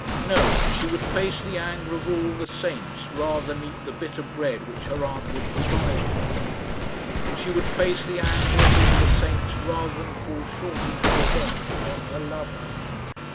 No; she would face the anger of all the saints rather than eat the bitter bread which her aunt would provide for her. And she would face the anger of all the saints rather than fall short in her revenge upon her lover.